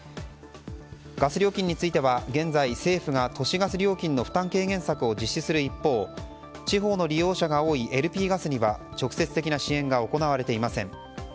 ガス料金については現在、政府が都市ガス料金の負担軽減策を実施する一方地方の利用者が多いＬＰガスには直接的な支援が行われていません。